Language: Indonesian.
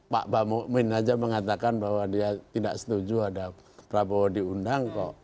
pak bamumin ⁇ aja mengatakan bahwa dia tidak setuju ada prabowo diundang kok